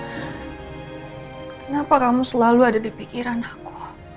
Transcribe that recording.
kenapa kamu selalu ada di pikiran aku